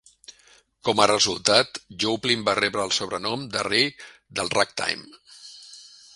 Com a resultat, Joplin va rebre el sobrenom de "Rei del Ragtime".